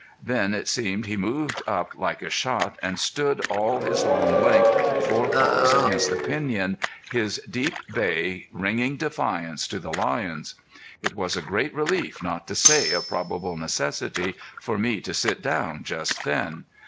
Then it seemed he moved up like a shot and stood all his long length, forepaws against the piñon, his deep bay ringing defiance to the lions. It was a great relief, not to say a probable necessity, for me to sit down just then.